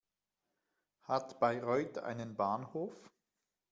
Hat Bayreuth einen Bahnhof?